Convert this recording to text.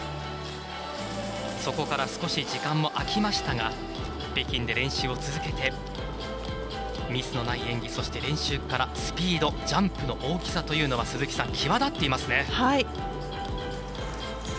そこから少し時間も空きましたが北京で練習を続けてミスのない演技練習からスピードジャンプの大きさというのは際立っていますね。